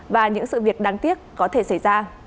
và những sự việc đáng tiếc có thể xảy ra